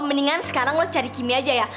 mendingan sekarang lo cari kimia aja ya